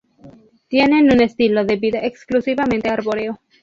Tienen un estilo de vida exclusivamente arbóreo.